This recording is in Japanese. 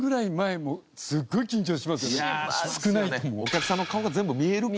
お客さんの顔が全部見えるからこそ。